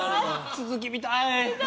続き見たい。